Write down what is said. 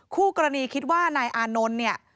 คู่กรณีคิดว่านายอานนท์เนี่ย